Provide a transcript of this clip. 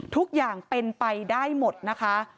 ทุกอย่างเป็นไปได้หมดนะคะ